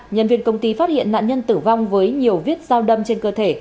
nhân viên công ty phát hiện nạn nhân tử vong với nhiều viết sao đâm trên cơ thể